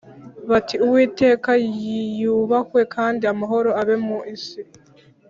Bati uwiteka niyubahwe kandi amahoro abe mu isi